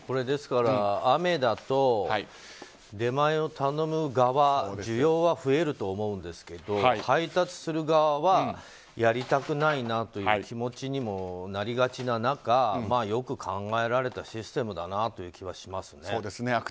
ですから、雨だと出前を頼む側需要は増えると思うんですけど配達する側はやりたくないなという気持ちにもなりがちな中、よく考えられたシステムだなという気はしますね。